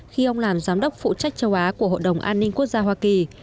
khi ông làm giám đốc phụ trách châu á của hội đồng an ninh quốc gia hoa kỳ